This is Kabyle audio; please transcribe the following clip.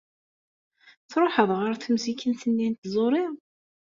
Truḥeḍ ɣer temzikent-nni n tẓuri?